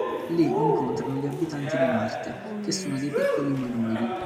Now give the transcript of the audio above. Lì incontrano gli abitanti di Marte, che sono dei piccoli umanoidi.